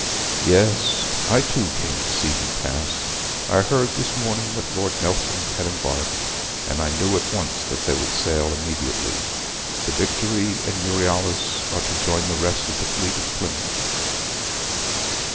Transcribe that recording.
'Yes I too came to see him pass. I heard this morning that Lord Nelson had embarked, and I knew at once that they would sail immediately. The Victory and Euryalus are to join the rest of the fleet at Plymouth.